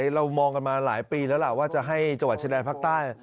เรามองกันมาหลายปีแล้วล่ะว่าจะให้จังหวัดชายแดนภาคใต้